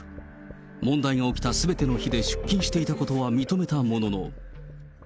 問題が起きたすべての日で出勤していたことは認めたものの。